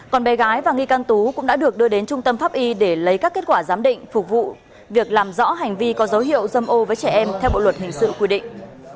còn bé gái và nghi can tú cũng đã được đưa đến trung tâm pháp y để lấy các kết quả giám định phục vụ việc làm rõ hành vi có dấu hiệu dâm ô với trẻ em theo bộ luật hình sự quy định